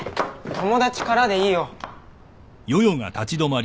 友達からでいいよ。